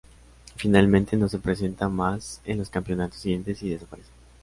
Finalmente no se presenta más en los campeonatos siguientes y desaparece.